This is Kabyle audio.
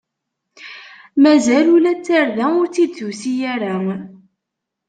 Mazal ula d tarda ur tt-id-tusi ara.